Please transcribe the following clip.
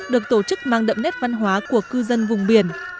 được tổ chức mang đậm nét văn hóa của cư dân vùng biển